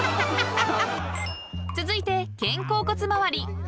［続いて肩甲骨回り］